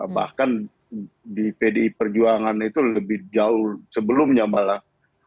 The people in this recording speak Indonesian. bahkan di pdi perjuangan itu lebih jauh sebelumnya malah